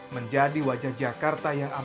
menjadi wajah jakarta yang aman